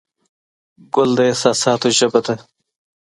ګل د احساساتو ژبه ده.